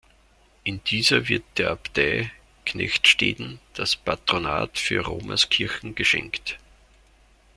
In dieser wird der Abtei Knechtsteden das Patronat für Rommerskirchen geschenkt.